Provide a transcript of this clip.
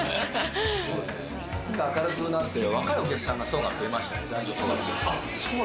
明るくなって、若いお客さんがすごく増えましたね。